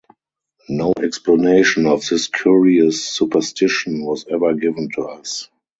No explanation of this curious superstition was ever given to us.